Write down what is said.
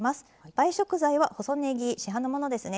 映え食材は細ねぎ市販のものですね。